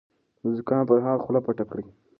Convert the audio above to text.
د زکام پر مهال خوله پټه کړئ.